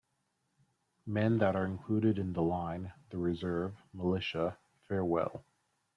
Men that are included in the line, the reserve, militia, farewell.